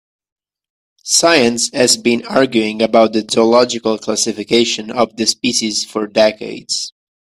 Science has been arguing about the zoological classification of the species for decades.